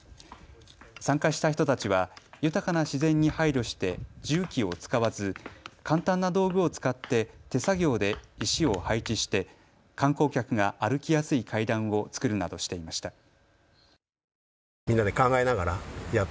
参加した人たちは豊かな自然に配慮して重機を使わず簡単な道具を使って手作業で石を配置して観光客が歩きやすい階段を作るなどしていました。